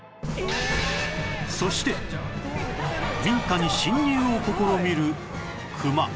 そして民家に侵入を試みるクマ